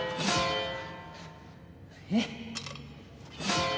えっ？